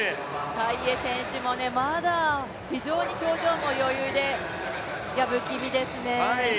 タイエ選手もまだ非常に表情も余裕で、不気味ですね。